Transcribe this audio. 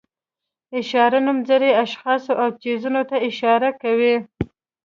اشاري نومځري اشخاصو او څیزونو ته اشاره کوي.